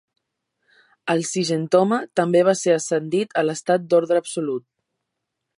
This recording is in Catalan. El Zygentoma també va ser ascendit a l'estat d'ordre absolut.